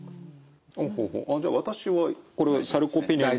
じゃあ私はこれはサルコペニアに。